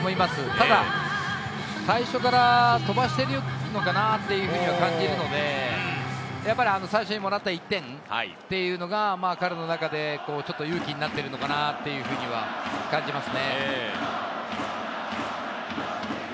ただ最初から飛ばしているのかなというふうに感じるので、最初にもらった１点というのが彼の中でちょっと勇気になっているのかなというふうには感じますね。